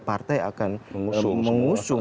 partai akan mengusung